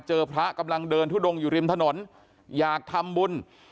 พระกำลังเดินทุดงอยู่ริมถนนอยากทำบุญ